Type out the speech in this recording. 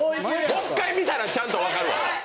もう１回見たら、ちゃんと分かるわ。